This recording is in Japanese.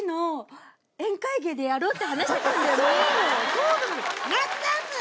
そうなの。